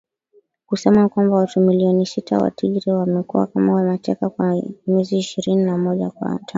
kusema kwamba watu milioni sita wa Tigray wamekuwa kama mateka kwa miezi ishirini na moja tangu